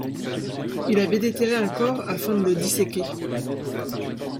Il avait déterré un corps afin de le disséquer.